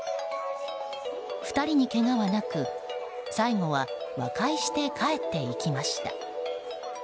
２人にけがはなく、最後は和解して帰っていきました。